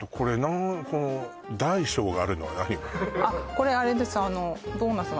これあれですあ！